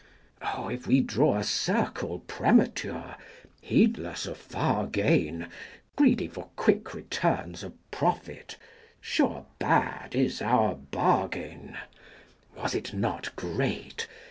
Oh, if we draw a circle premature, Heedless of far gain, Greedy for quick returns of profit, sure Bad is our bargain! 100 Was it not great?